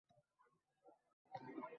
Ziyrak onajonimga shuning o‘zi kifoya edi.